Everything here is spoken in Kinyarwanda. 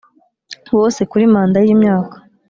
Bose kuri manda y imyaka